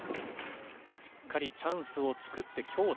しっかりチャンスを作って強打。